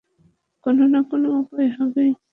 কোনো না কোনো উপায় হবেই?